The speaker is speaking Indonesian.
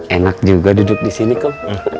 enak juga duduk disini kom